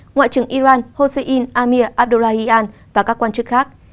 ngoại trưởng iran hossein amir abduralian và các quan chức khác